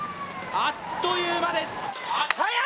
あっという間です。